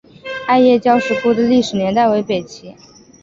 艾叶交石窟的历史年代为北齐。